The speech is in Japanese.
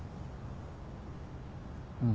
うん。